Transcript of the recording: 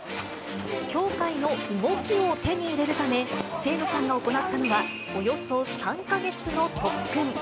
羌かいの動きを手に入れるため、清野さんが行ったのは、およそ３か月の特訓。